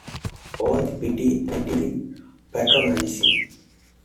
All the pity and the patronizing.